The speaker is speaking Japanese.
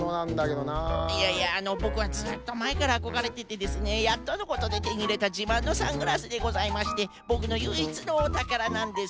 いやいやボクはずっとまえからあこがれててですねやっとのことでてにいれたじまんのサングラスでございましてボクのゆいいつのおたからなんです。